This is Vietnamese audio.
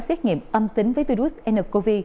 xét nghiệm âm tính với virus ncov